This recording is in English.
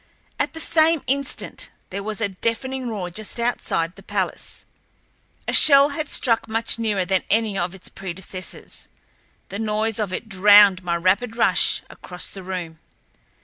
At the same instant there was a deafening roar just outside the palace—a shell had struck much nearer than any of its predecessors. The noise of it drowned my rapid rush across the room.